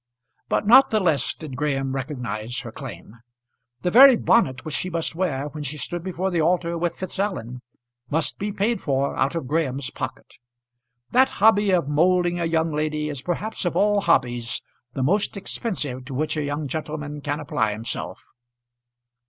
But not the less did Graham recognise her claim. The very bonnet which she must wear when she stood before the altar with Fitzallen must be paid for out of Graham's pocket. That hobby of moulding a young lady is perhaps of all hobbies the most expensive to which a young gentleman can apply himself.